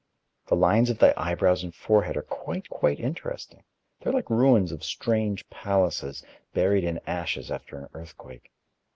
The lines of thy eyebrows and forehead are quite, quite interesting: they are like ruins of strange palaces, buried in ashes after an earthquake.